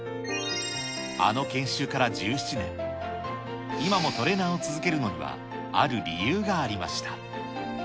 あの研修から１７年、今もトレーナーを続けるのには、ある理由がありました。